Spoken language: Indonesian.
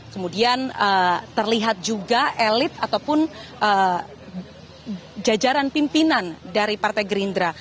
kemudian terlihat juga elit ataupun jajaran pimpinan dari partai gerindra